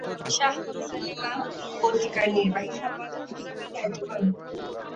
শাহ হুসেন ইমাম পত্রিকার নির্বাহী সম্পাদক হিসাবে দায়িত্ব পালন করেন।